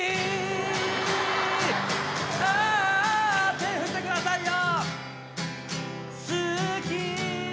手振ってくださいよ。